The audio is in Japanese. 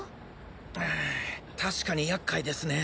うん確かにやっかいですね。